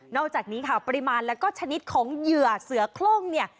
อกจากนี้ค่ะปริมาณแล้วก็ชนิดของเหยื่อเสือคล่องเนี่ย